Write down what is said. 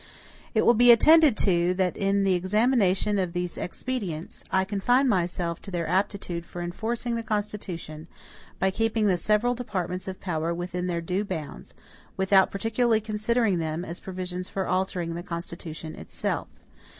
It will be attended to, that in the examination of these expedients, I confine myself to their aptitude for ENFORCING the Constitution, by keeping the several departments of power within their due bounds, without particularly considering them as provisions for ALTERING the Constitution itself.